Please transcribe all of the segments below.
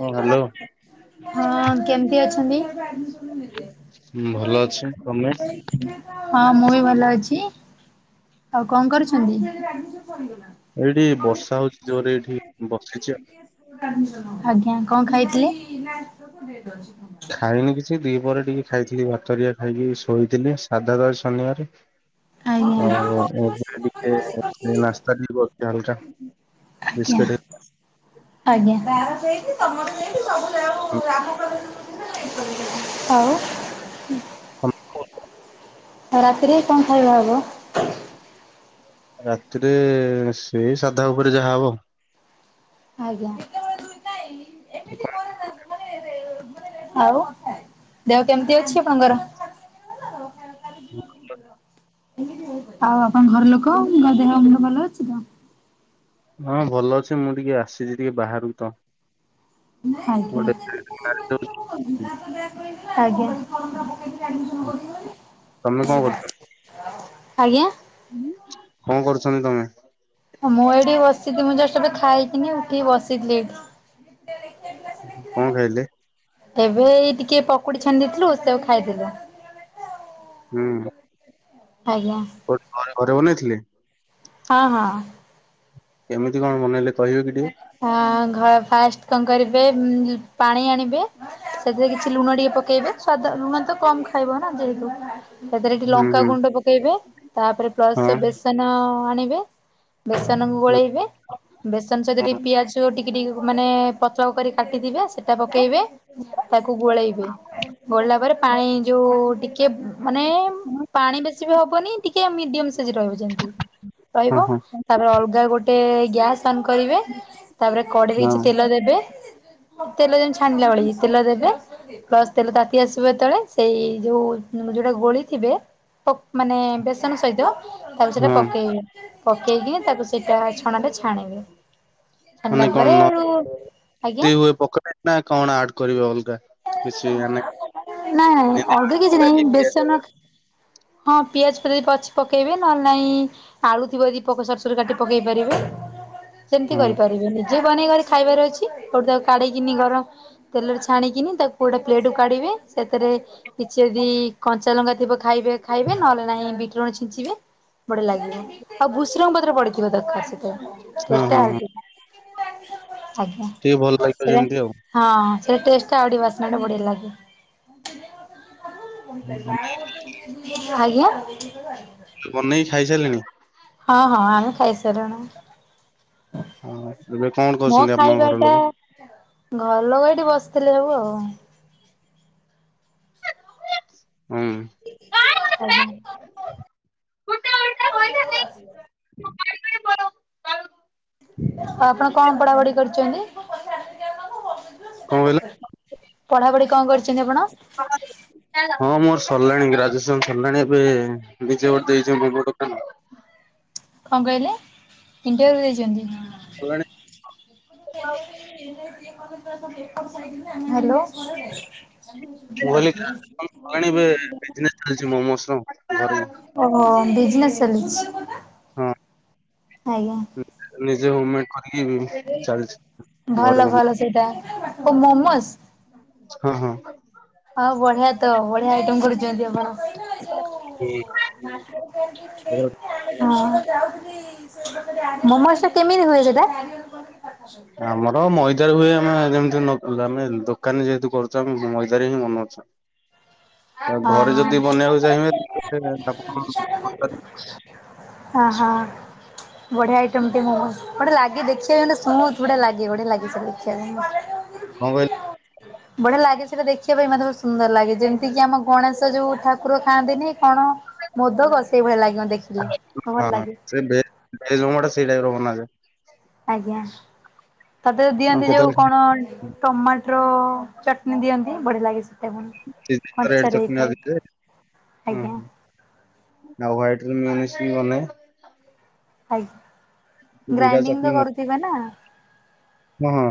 ହଁ ହ୍ୟାଲୋ। [inaudible] ହଁ କେମିତି ଅଛନ୍ତି? ଭଲ ଅଛି। ତମେ ହଁ ମୁଁ ବି ଭଲ ଅଛି। ଆଉ କଣ କରୁଛନ୍ତି? ଏଇଠି ବର୍ଷା ହଉଚି ଜୋରରେ ଏଠି ବସିଛି। ଆଜ୍ଞା କଣ ଖାଇଥିଲେ? ଖାଇନି କିଛି ଦିହିପରେ ଟିକେ ଭାତ ହେରିକା ଖାଇକି ଶୋଇଥିଲି, ସାଧା ତ ଆଜି ଶନିବାରେ ଆଜ୍ଞା। ଆଉ [unintelligible] ନାସ୍ତା ଟିକେ କରିଚି ହାଲ୍କା। ଆଜ୍ଞା ବିସ୍କିଟ ଆଜ୍ଞା। ଆଉ [unintelligible] ଆଉ ରାତିରେ କଣ ଖାଇବା ହବ? ରାତିରେ ସେଇ ସାଧା ଉପରେ ଯାହା ହବ। ଆଜ୍ଞା କଣଟେ? ଆଉ ଦେହ କେମିତି ଅଛି ଆପଣଙ୍କର? ଭଲ ଆଉ ଆପଣ ଘର ଲୋକଙ୍କ ଦେହ ଭଲ ଅଛି ତ? ହଁ ଭଲ ଅଛି। ମୁଁ ଆସିଛି ଟିକେ ବାହରକୁ ତ ଆଜ୍ଞା ଗୋଟେ ଆଜ୍ଞା ତମେ କଣ କହୁଚ? ଆଜ୍ଞା କଣ କରୁଚନ୍ତି ତମେ? ମୁଁ ଏଇଠି ବସିଛି, ମୁଁ ଜଷ୍ଟ ଏବେ ଖାଇକିନା ଉଠିକି ବସିଥିଲି ଏଠି। କଣ ଖାଇଲେ? ଏବେ ଏଇ ଟିକେ ପକୁଡ଼ି ଛାଣି ଦେଇଥିଲୁ ସେଇଆ କୁ ଖାଇଥିଲୁ। ହୁଁ ଆଜ୍ଞା ପକୁଡ଼ି କଣ ଘରେ ବନେଇ ଥିଲେ? ହଁ ହଁ କେମିତି କଣ ବନେଇଲେ କହିବେ କି ଟିକେ? ହଁ ଘ ଫାଷ୍ଟ କଣ କରିବେ ପାଣି ଆଣିବେ ସେଥିରେ କିଛି ଲୁଣ ଟିକେ ପକେଇବେ, ସ୍ୱାଦ ଲୁଣ ତ କମ୍ ଖାଇବ ନା ଦେ ସେଥିରେ ଟିକେ ହୁଁ ଲଙ୍କା ହୁଁ ଗୁଣ୍ଡ ପକେଇବେ, ତାପରେ ପ୍ଲସ ବେସ୍ ବେସନ ଆଣିବେ ବେସନକୁ ଗୋଳେଇବେ ତାଙ୍କ ସହିତ ହଁ। ଟିକେ ପିଆଜ ଟିକିଟିକି ମାନେ ପତ୍ର ଉପରେ କାଟିଥିବେ ସେଟା ପକେଇବେ ତାକୁ ଗୋଳେଇବେ ଗୋଳେଇଲା ପରେ ପାଣି ଯଉ ଟିକେ ମାନେ ପାଣି ବେଶୀ ଶି ବି ହବନି ଟିକେ ମିଡିୟମ ସାଇଜ୍ ରହିବ ଯେମତି ରହିବ ହଁ ହଁ ତାପରେ ଅଲଗା ଗୋଟେ ଗ୍ୟାସ୍ ଅନ୍ କରିବେ, ତାପରେ ହଁ କଢ଼େଇଚି ତେଲ ଦେବେ ତେଲ ଯେମିତି ଛାଣିଲା ଭଳି ତେଲ ଦେବେ ପ୍ଲସ ତେଲ ତାତି ଆସିବ ଯେତବେଳେ ସେଇ ଯୋଉ ଯୋଉଟା ଗୋଳେଇ ଥିବେ ମାନେ ବେସନ ସହିତ ତାକୁ ସେଟା ହଁ ପକେଇବେ ପକେଇକି ତାକୁ ସେଇଟା ଛଣାରେ ଛାଣିବେ। ଛାଣିଲା ମାନେ ପରେ କଣ ଆଳୁ ଆଜ୍ଞା ନ [inaudible] ପକ ନା କଣ ଆଡ କରିବେ ଅଲ ନାଇଁ ଅଲଗା କିଛି ନାଇଁ ବେଶନ ହଁ ପିଆଜ ପିଆଜ ଅଛି ପକେଇବେ ନହେଲେ ନାଇଁ ଆଳୁ ଥିବ ଯଦି ସରୁ ସରୁ କାଟି ପକେଇ ପାରିବେ ହଁ ସେମିତି ହଁ କରିପାରିବେ ନିଜେ ବନେଇ କରି ଖାଇବାର ଅଛି ଆଉ ତାକୁ କାଢିକିନି ଗରମ ତେଲରେ ଛାଣିକି ଗୋଟେ ପ୍ଲେଟ କୁ କାଢ଼ିବେ ସେଥିରେ କିଛି ଯଦି କଞ୍ଚା ଲଙ୍କା ଥିବ ଖାଇବେ ଖାଇବେ ନହେଲେ ନାହିଁ ବିଟ ଲୁଣ ଛିଞ୍ଚିବେ ବଢିଆ ଲାଗିବ ଆଉ ଭୁସ୍ରଙ୍ଗ ପତ୍ର ପଡିଥିଵା ଦରକାର ସେଥିରେ ଟେଷ୍ଟ ହଁ ହଁ ଟିକେ ଭଲ ଲାଗିବ ଯେମିତି ଆଉ। ଆଜ୍ଞା ହଁ ସେ ଟେଷ୍ଟ ଟା ଆହୁରି ବାସ୍ନା ଟା ବଢିଆ ଲାଗିବ। ଆଜ୍ଞା ବନେଇକି ଖାଇସାରିଲିଣି? ହଁ ହଁ ଆମେ ଖାଇସାରିଲୁଣି। ହଁ ଏବେ କଣ ମୋ କରୁଛନ୍ତି ଆପଣଙ୍କ ଖାଇବା ଘର ଲୋକ? ଟା ଘର ଲୋକ ଏଠି ବସିଥିଲେ ସବୁ ଆଉ ହଁ ଆଜ୍ଞା ପରୀକ୍ଷା ଦେବ ଆସିବ [inaudible] ଆଉ ଆପଣ କଣ ପଢାପଢି କରିଛନ୍ତି କଣ କହିଲେ? ପଢାପଢି କଣ କରିଛନ୍ତି ଆପଣ? [inaudible] ହଁ ମୋର ସରିଲାଣି ଗ୍ରାଜୁଏସନ ସରିଲାଣି ଏବେ ନିଜେ ଗୋଟେ ଦେଇଛି ଦୋକାନ କଣ କହିଲେ ଇଣ୍ଟରଭି୍ୟୁ ଦେଇଛନ୍ତି [inaudible] ହ୍ୟାଲୋ ମୁ କହିଲି ସରିଲାଣି ଏବେ ବିଜିନେସ ଚାଲିଛି ମୋଷ୍ରୁମ୍ ଘରେ ଓହୋ ବିଜନେସ୍ ଚାଲିଛି ହଁ ଆଜ୍ଞା ନିଜେ ହୋମ ମେଡ କରିକି ଚାଲିଛି ଘରେ ଭଲ ମୋମୋ ଭଲ ସେଇଟା ଓ ମୋମୋଜ ହଁ ହଁ ହଁ ବଢିଆ ତ ବଢିଆ ଆଇଟମ କରୁଛନ୍ତି ଆପଣ [inaudible] ହଁ ହଁ। ମୋମୋଜ ଟା କେମିତି ହୁଏ ସେଟା? ଆମର ମଇଦାରେ ହୁଏ ଆମେ ଯେମିତି ଆମେ ଦୋକାନରେ ଯେହେତୁ କରୁଛୁ ଆମେ ମଇଦାରେ ହିଁ ବନଉଛୁ ଆଉ ହଁ ଘରେ ଯଦି ହଁ ବନେଇବାକୁ ଚାହିଁବେ ଆପଣ କଣ ଓହୋ ବଢିଆ ଆଇଟମ ଟେ ମୋମୋଜ୍ ବଢିଆ ଲାଗେ ଦେଖିବାକୁ ପୁରା ସ୍ମୁଥ ଲାଗେ ବଢିଆ ଲାଗେସେଇଟା ଦେଖିବା ପାଈଁ କଣ କହିଲେ? ବଢିଆ ଲାଗେ ସେଇଟା ଦେଖିବା ପାଇଁ ମତେ ବହୁତ ସୁନ୍ଦର ଲାଗେ ଯେମିତିକି ଆମ ଗଣେଶ ଯୋଉ ଠାକୁର ଖାଆନ୍ତିନି କଣ? ମଦକ ସେଇ ଭଳିଆ ଲାଗେ ମତେ ଦେଖିଲେ ଭଲ ହଁ ହଁ ଲାଗେ। ସେ ଭେଜ ଭେଜ ମୋମୋ ଟା ସେଇ ଟାଇପ ର ବନାଯାଏ। ଆଜ୍ଞା। ତା ଦେହରେ ଆଉ ଦିଅନ୍ତି ଯୋଉ କେତେବେଳେ କଣ ଟମାଟ୍ରୋ ଚଟନୀ ଦିଅନ୍ତି ବଢିଆ ଲାଗେ ସେ ଏଡ ଚକନି ଆି ହୁଁ ହ ଆଜ୍ଞା [unintelligible] ଆଉ ହ୍ୱାଇଟ ର ମିଓନିଜ ବି ବନାଏ। ଆଜ୍ଞା। ଦିଟା ଗ୍ରାଇଣ୍ଡିଙ୍ଗ ଚଟଣି ତ କରୁଥିବେ ନା? ହଁ।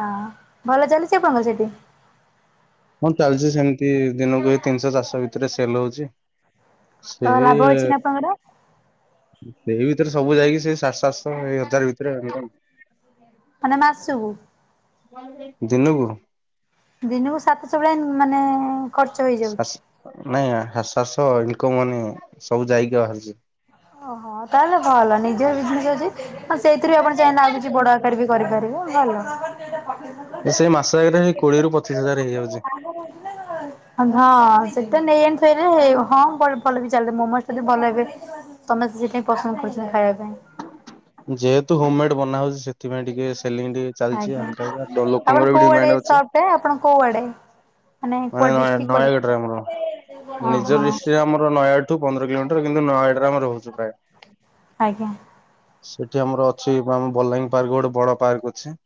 ହଁ। ଭଲ ଚାଲିଚି ଆପଣଙ୍କର ସେଠି? ହଁ, ଚାଲିଛି ସେମିତି ଦିନକୁ ଏଇ ତିନିଶହ ଚାରିଶହ ଭିତରେ ସେଲ ହଉଛି। ତ ସେଇ ଲାଭ ଅଛି ନା ଆପଣଙ୍କର? ସେଇ ଭିତରେ ସବୁ ଯାଇକି ସେଇ ସାତ ଆଠଶହ ଇ ହଜାର ଭିତରେ ମାନେ ମାସକୁ? ଦିନୁକୁ ଦିନୁକୁ ସାତସହ ଗ୍ରାମ ମାନେ ଖର୍ଚ୍ଚ ହେଇଯାଉଛି। ନାଇଁସସ ଇନକ ମନି ସବୁ ଯାଇକି ବାହାରିଛି [unintelligible] ଓହୋ। ତାହେଲେ ଭଲ ନିଜର ବିଜିନେସ ଅଛି। ହଁ, ସେଇଥିରୁ ବି ଆପଣ ଚାହିଁଲେ ଆଉ କିଛି ବଡ ଆକାରେ ବି କରିପାରିବେ, ଭଲ। ସେଇ ମାସ ଜାକରେ କୋଡିଏରୁ ପଚିଶ ହଜାର ହେଇଯାଉଛି। ହଁ ସେଟା ନେଇ ଆଣିଥରେ ହଁଲି ଚାଲ ମୋମୋ [unintelligible] ଯଦି ଭଲ ହେବେ ତମେ ସେ ସେଥିପାଇଁ ପସନ୍ଦ କରୁଛ ଖାଇବା ପାଇଁ। ଯେହେତୁ ହୋମ ମେଡ ବନା ହଉଛି ସେ ସେଥିପାଇଁ ଟିକେ ସେଲିଙ୍ଗ ଟିକେ ଚାଲିଚି ଆଜ୍ଞା ଆଉ। ତାପରେ ତ ଆପଣ ଲୋକଙ୍କର ବି କୋଉ ଆଡେ ଡିମାଣ୍ଡ ଅଛି। ସପ୍ ଆପଣ କଉଆଡେ, ମାନେ କୁଆଡେ ନୟା ଡିଷ୍ଟ୍ରିକ ନୟାଗଡ଼ରେ କଉଆଡେ ଆମର ନିଜ ଡିଷ୍ଟ୍ରିକ୍ଟ ଆପଣଙ୍କର? ଆମର ନୟାଗଡ଼ଠୁ ପନ୍ଦର କିଲୋମିଟର କିନ୍ତୁ ନୟାଡରେ ଆମ ରହୁଚୁ ପ୍ରାୟ। ଆଜ୍ଞା। ସେଠି ଆମର ଅଛି ମାନେ ବଲାଙ୍ଗୀ ପାର୍କ ଗୋଟେ ବଡ ପାର୍କ ଅଛି।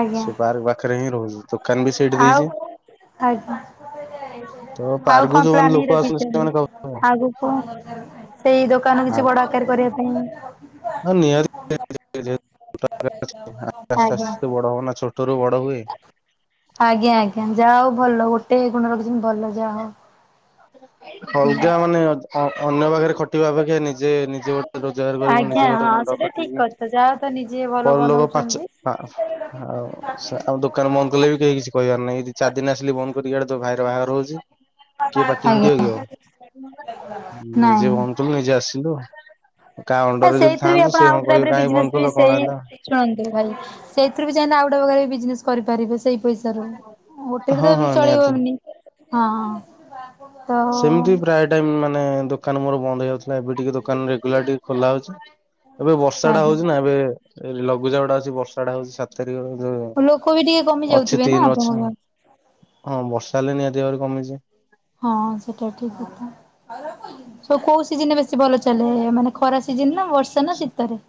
ଆଜ୍ଞା ସେ ପାର୍କ ପାଖରେ ହିଁ ରହୁଚୁ। ଦୋକାନ ବି ସେଇଠି ଆଉ ଦେଇଚି। ଆଜ୍ଞା। ତ ଆଉ ପାର୍କକୁ କଣ ଯୋଉମାନେ ଲୋକ ପ୍ଲାନିଙ୍ଗ ଆସନ୍ତି ରଖିଛନ୍ତି? ସେମାନେ ଖାଉଛନ୍ତି ଆଗକୁ କଣ ସେଇ ଦୋକ ହଁ। ନିୟ ଆସ୍ତେ ଆଜ୍ଞା। ଆସ୍ତେେ ବଡ ହବନା ଛୋଟରୁୁ ବଡ଼ ହୁଏ [unintelligible] ଆଜ୍ଞା, ଆଜ୍ଞା। ଯାହା ହଉ ଭଲ ଗୋଟେ ଗୁଣ ରଖିଛନ୍ତି ଭଲ ଯାହା ହଉ। ହୁଁ ହଳଦା ମାନେ ଅନ୍ୟ ପାଖରେ ଖଟିବା ଅପେକ୍ଷା ନେଇଛି [unintelligible] ନିଜେ ନିଜ ଗୋଟେ ରୋଜଗାର କରିବୁ। ଆଜ୍ଞା ନିଜେ ଗୋଟେ ହଁ ମୁଣ୍ଡ ସେଇଟା ଠିକ ଖଟିବୁନି। କଥା ଯାହା ତ ନିଜେ ଭଲ ପରଲୋକ ପାଞ୍ଚ ବନଉଛନ୍ତି। ହ ଆଉ ଆଉ ସ ଦୋକାନ ବନ୍ଦ କଲେ ବି କେହି କିଛି କହିବାର ନାହିଁ। ଚାରି ଦିନ ଆସିଲି ବନ୍ଦ ଆଡେୋ ଭାଇର ବାହାର ହହୁଛି [unintelligible] କିଏ ପାଟି ଫାଟି ଆଜ୍ଞା କରିବ [unintelligible] ଆଉ ନାଇଁ ନିଜେ ଭଞ୍ଚଥିଲୁ ନିଜେ ଆସିଲୁ ଆ କାହା ନା ଅଣ୍ଡରେ ଯଦି ସେଇଥିରୁ ବି ଥାଆନ୍ତୁ, ସେ ହଁ କହିବ କାହିଁ ବନ୍ଦ କଲ କଣ ହେଲା? ଶୁଣନ୍ତି ଭାଇ ସେଇଥିରୁ ବି ଚାହିଁଲେ ଆଉ ଗୋଟେ ପ୍ରକାର ବିଜନେସ କରିପାରିବେ ସେଇ ପଇସାରୁ। ଗୋଟେରେ ହଁ ତ ହଁ ଏମତି ନିହାତି ଚଳେଇହବନି। ହଁ। ତ ସେମିତି ପ୍ରାୟ ଟାଇମ ମାନେ ଦୋକାନ ମୋର ବନ୍ଦ ହେଇଯାଉଥିଲା। ଏବେ ଟିକେ ଦୋକାନ ରେଗୁଲାର ଟିକେ ଖୋଲା ହଉଚି। ଏବେ ବର୍ଷା ଟା ଆଜ୍ଞା। ହଉଚି ନା ଏବେ ଲଘୁଚାପ ଟା ଅଛି ବର୍ଷା ଟା ହଉଚି। ତାରିଖ ଯୋଉ। ଲୋକ ବି ଟିକେ କମି ଅଛି ଯାଉଥିବେ ନା ତିନି ଅଛି। ଆପଣଙ୍କ ହଁ। ବର୍ଷା ହେଲେ ନିହାତି ଭାବରେ କମିଚି। ହଁ ସେଟା ଠିକ କଥା ସ କୋଉ ସିଜିନେ ବେ ସି ଭଲ ଚାଲେ ମାନେ ଖରା ସିଜନ ନା ବର୍ଷା ନା ଶୀତରେ।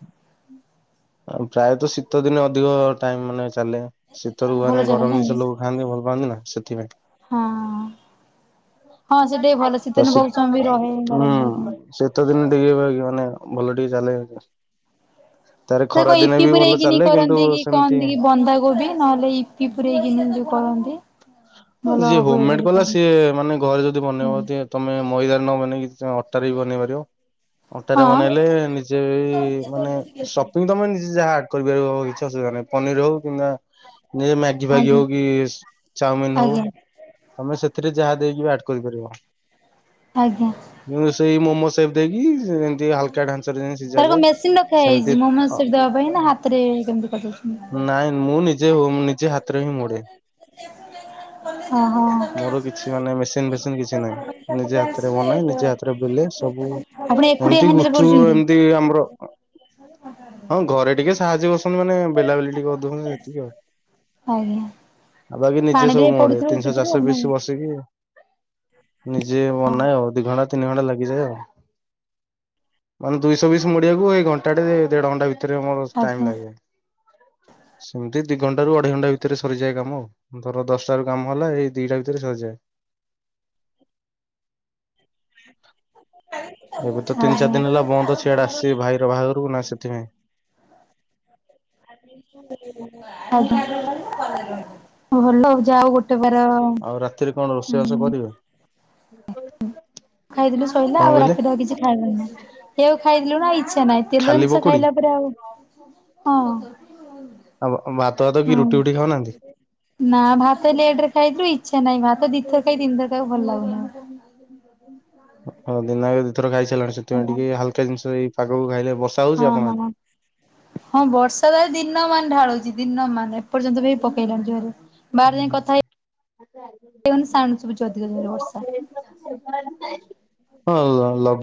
ଆ ପ୍ରାୟତଃ ଶୀତ ଦିନେ ଅଧିକ ଟାଇମ ମାନେ ଚାଲେ। ଶୀତରୁ ଭଲ ମାନେ ଚାଲେ ଗରମ ନାଇଁ ଜିନିଷ ଲୋକ ଖାଆନ୍ତି ଭଲ ପାଆନ୍ତି ନା ସେଥିପାଇଁ। ହଁ ହଁ ହଁ ସେଟା ବି ଭଲ ଶୀତିଦିନ ବଉଟ ସମୟ ବି ରହେ ଗରମ ହେଇକି। ସୀତ ଦିନ ଟିକେ କି ମାନେ ଭଲ ଟିକେ ଚାଲେ। ତାର ସେ ଖରା କ ଦିନେ ଇପି ବି ଭଲ ପରେଇକିନି ଚାଲେ କିନ୍ତୁ କରନ୍ତି କି ସେମିତି କହନ୍ତି କି ବନ୍ଧାକୋବି ନହେଲେ ଇ ଇପି ପୁରେଇକିନା ଯୋଉ କରନ୍ତି ଭଲ ଯିଏ ହୋମ ହୁଏ ମେଡ ବୋଲି କଲା କହନ୍ତି ସିଏ ମାନେ ଘରେ ଯଦି ହଁ ବନେଇବ ଯଦି ତମେ ମଇଦାରେ ନ ବନେଇକି ତମେ ଅଟାରେ ବି ବନେଇ ପାରିବ। ଅଟାରେ ହଁ ବନେଇଲେ ନିଜେ ମାନେ ଷ୍ଟପିଙ୍ଗ ତମେ ନିଜେ ଯାହା ଆଡ କରିପାରିବ କି ଛି ଅସୁବିଧା ନାହିଁ ପନିର ହଉ କିମ୍ବା ନି ମ୍ୟାଗି ଫଗି ଆଜ୍ଞା। ହଉ କି ଚାଉମିିନ ହଉ ଆଜ୍ଞା ତମେ ସେଥିରେ ଯାହା ଦେଇକିବି ଆଡ୍ କରିପାରିବ। ଆଜ୍ଞା। ସେଇ ମୋମୋ ସେପ୍ ଦେଇକି ଟିକେ ହାଲକା ଆଞ୍ଚରେ ଦେଇ ତାର କଣ ସିଝାଯାଏ ମେସିନ୍ ରଖା ହେଇଛି ସେମିତି ମୋମୋସ୍ ସେଠି ଦେବା ପାଇଁ ନା ହାତରେ କେମିତି କରିଦଉଛନ୍ତି? ନାଇଁ ମୁଁ ନିଜେ ନିଜେ ହାତରେ ହିଁ ମୋ ଡେ ଓହୋ। ମୋର କିଛି ମାନେ ମେ ସିନ୍ ଫେଶିନ କିଛି ନାହିଁ ନିଜେ ହାତରେ ବନାଏ ନିଜେ ହାତରେ ବେଲେ ସବୁ ଆପଣ ଏକୁଟିଆ ଏମିତି ହ୍ୟାଣ୍ଡେଲ ଗୁପ୍ ଚୁପ୍ କରୁଛନ୍ତି? ଏମିତି ଆମର ହଁ ଘରେ ଟିକେ ସାହାଯ୍ୟ କରୁଛନ୍ତି ମାନେ ବେଲା ବୁଲି ଟିକେ କରିଦଉଛନ୍ତି ସେତିକି ଆଉ। ଆଜ୍ଞା ଆଉ ବାକି ନିଜେ ପାଣିରେ ସବୁ ମୁଁ ମୋଡେ ପଡୁଥିବ ତିନିଶହ ଉଠୁଥିବ ଆଉ ଚାରିଶହ ନାଇଁ ପିସ୍ ବସିକି ନିଜେ ବନାଏ ଆଉ ଦି ଘଣ୍ଟା ତିନି ଘଣ୍ଟା ଲାଗିଯାଏ ଆଉ। ମାନେ ଦୁଇଶହ ପିସ୍ ମୋଡିିବାକୁ ଏଇ ଘଣ୍ଟା ଟେ ଦେଢ ଘଣ୍ଟା ଭିତରେ ମୋ ଟାଇମ୍ ଲାଗେ। ହ ସେମିତି ଦି ଘଣ୍ଟା ରୁ ଅଢେଇ ଘଣ୍ଟା ଭିତରେ ସରିଯାଏ କାମ ଆଉ ଧର ଦଶଟା ରୁ କାମ ହେଲା ଏଇ ଦିଟା ଭିତରେ ସରିଯାଏ। ଏବେ ତ ତିନି ଚାରି ଆଜ୍ଞା। ଦିନ ହେଲା ବନ୍ଦ ସିଆଡେ ଆସିଚି ଭାଇର ବାହାଘରକୁ ନା ସେଥିପାଇଁ। ଆ ଆଜ୍ଞା ଭଲ ଯାଅ ଗୋ କ୍ଟୋବର ଆଉ ରାତିରେ କଣ ରୋଷେଇବାସ କରିବେ? ଖାଇଥିଲୁ ଶଇଲା କଣ ଆଉ କହିଲେ ରାତିରେ ଆଉ କିଛି ଖାଇବାର ନାଇଁ। ସେଉ ଖାଇଥିଲ ନା ଇଛା ନାଇଁ ତେଲ ଖାଲି ଜିନିଷ ପକୁଡି ଖାଇଲା ପରେ ଆଉ ହଁ। ଆଉ ଭାତ ଫାତ କି ରୁଟି ହଁ। ଫୁଟି ଖାଉନାହାନ୍ତି? ନା ଭାତ ଲେଟ୍ ରେ ଖାଇଲୁ ଇଛା ନାଇଁ ଭାତ ଦି ଥର ଖାଇ ତିିନି ଥର ଖାଇବାକୁ ଭଲ ଲାଗୁନି। ହଁ ଦିନକ ଦିଥର ଖାଇଛ। ସେଥିପାଇଁ ଟିକେ ହଲକା ଜିନିଷ ଏଇ ପାଗକୁ ଖାଇଲେ ବସା ହଁ ହଁ ହଁ ବର୍ଷା ତ ଦିନ ମାନ ଢାଳୁଛି ଦିନ ମାନ। ଏର୍ଯ୍ୟନ୍ତ ବି ପକେଇଲାଣି ଜୋର୍ ରେ ବାହରେ ଯାଇଁ କଥା ହେ ଆ ଆ ସାଉଣ୍ଡ ଶୁଭୁଚି ଅଧିକ ଜୋର୍ ରେ ବର୍ଷା। ହଁ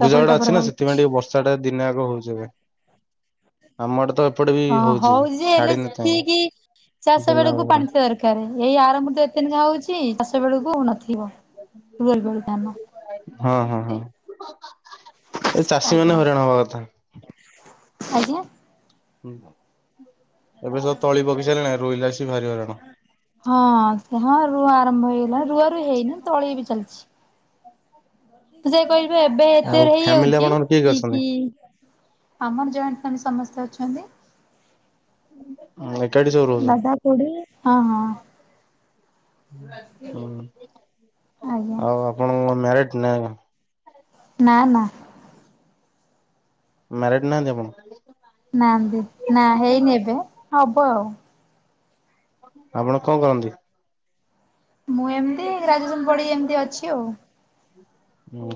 ଟପର ଟା ଟପର ଅଛି ନା ହଉଛି। ସେଥିପାଇଁ ଟିକେ ବର୍ଷା ଟା ଦିନେ ଆଗ ହଉଛି ଏବେ ଆମ ଆଡେ ତ ଏପଟେ ବି ହଁ ହଉଛି ଯେ ହେଲେ ଛାଡିିନଥା ଠିକି ଚାଷ ବେଳକୁ ପାଣି ଦରକାର ଏଇ ଆରମ୍ଭ ରୁ ତ ଏତେନକା ହଉଛି। ଚାଷ ବେଳକୁ ନଥିବ [unintelligible] ଧାନ। ହଁ ହଁ ହଁ। ଏ ଚାଷୀ ମାନେ ଆଜ୍ଞା ହଇରାଣ ହବା କଥା। ଆଜ୍ଞା। ହୁଁ ଏବେ ସବୁ ତଳି ପକି ସାରିଲାଣି ରୋଇଲା ଆସି ଭାରି ହଇରାଣ। ହଁ ସେ ହଁ ରୁଆ ଆରମ୍ଭ ହେଇଗଲା ରୁଆ ରୁ ହେଇନି ତଳି ବି ଚାଲିଛି। ଯେ କହିବେ ଏବେ [inaudible] ଆଉ ଫ୍ୟାମିଲି ହେଇଯାଉଛି ଆପଣଙ୍କର କିଏ କିଏ ଅଛନ୍ତି କି ଆମର ଜଏଣ୍ଟ ଫାମିଲି ସମସ୍ତେ ଅଛନ୍ତି। ଏକାଠି ସବୁ ରହୁଛ? ଦାଦା ଖୁଡି ହଁ ହଁ ହଁ। ହୁଁ ଆଜ୍ଞା ଆଉ ଆପଣ ମ୍ୟାରଟ ନାଁ? ନାଁ ନାଁ। ମ୍ୟାରଡ୍ ନାହାନ୍ତି ଆପଣ? ନାନ୍ତି ନାଁ ହେଇନି ଏବେ ହବ ଆଉ। ଆପଣ କଣ କରନ୍ତି? ମୁଁ ଏମିତି ଗ୍ରାଜୁଏସନ ପଢ଼ିକି ଏମିତି ଅଛି ଆଉ।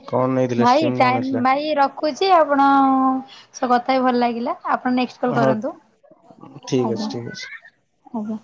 କଣ ନେଇ ଭାଇ ଟାଇମ ଭାଇ ରଖୁଛି ଆପଣ ସ କଥା ହେଇକି ଭଲ ଲାଗିଲା ଆପଣ ନେ ହଁ କରନ୍ତୁ ଠିକ୍ ଅଛି ଆଜ୍ଞା ଠିକ୍ ଅଛି। ଆଜ୍ଞା।